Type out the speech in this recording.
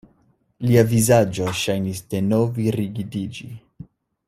Lia vizaĝo ŝajnis denove rigidiĝi.